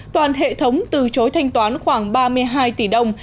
toàn hệ thống từ chối thanh toán khoảng ba mươi hai tỷ đồng